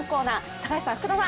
高橋さん、福田さん